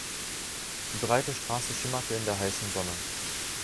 Die breite Straße schimmerte in der heißen Sonne.